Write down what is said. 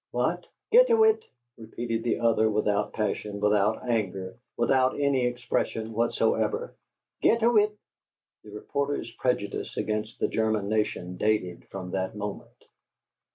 "What?" "Git owit," repeated the other, without passion, without anger, without any expression whatsoever. "Git owit." The reporter's prejudice against the German nation dated from that moment.